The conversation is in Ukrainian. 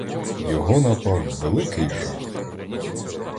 Його напав великий жах.